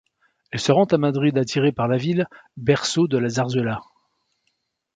Elle se rend à Madrid attirée par la ville, berceau de la zarzuela.